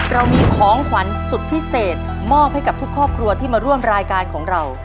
เรามีของขวัญสุดพิเศษมอบให้กับทุกครอบครัวที่มาร่วมรายการของเรา